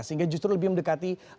sehingga justru lebih mendekati